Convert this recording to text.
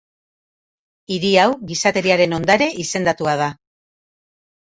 Hiri hau Gizateriaren Ondare izendatua da.